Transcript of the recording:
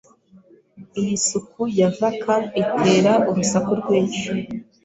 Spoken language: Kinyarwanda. Iyi suku ya vacuum itera urusaku rwinshi.